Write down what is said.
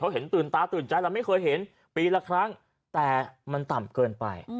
เขาเห็นตื่นตาตื่นใจเราไม่เคยเห็นปีละครั้งแต่มันต่ำเกินไป